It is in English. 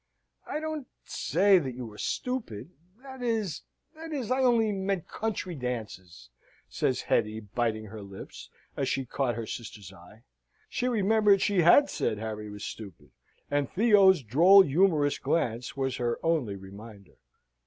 "I don't say that you are stupid that is that is, I I only meant country dances," says Hetty, biting her lips, as she caught her sister's eye. She remembered she had said Harry was stupid, and Theo's droll humorous glance was her only reminder.